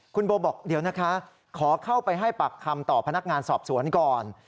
คุณโบบอกเดี๋ยวนะคะขอเข้าไปให้ปากคำต่อพนักงานสอบสวนก่อน